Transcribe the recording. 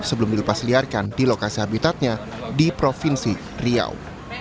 sebelum dilepas liarkan di lokasi habitatnya di provinsi riau